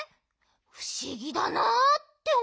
ふしぎだなっておもったの。